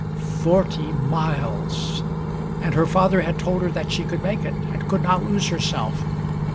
Forty miles! And her father had told her that she could make it and could not lose herself!